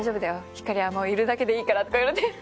ひかりはいるだけでいいから」と言われて。